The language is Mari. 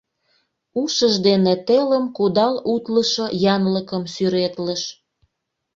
Ушыж дене телым кудал утлышо янлыкым сӱретлыш.